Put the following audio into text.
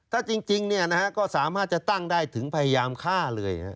ถ้าจริงก็สามารถจะตั้งได้ถึงพยายามฆ่าเลย